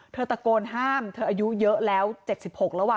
เธอตะโกนห้ามเธออายุเยอะแล้ว๗๖แล้ว